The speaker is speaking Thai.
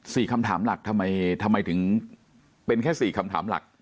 สี่คำถามหลักทำไมทำไมถึงเป็นแค่สี่คำถามหลัก